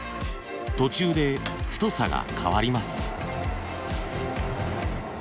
途中で太さが変わります。